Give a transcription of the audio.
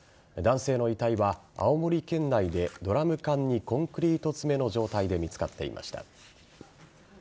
男性の遺体は青森県内でドラム缶にコンクリート詰めの状態で見つかっていました。